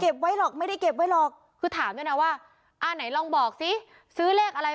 สลากตัวเลขอะไร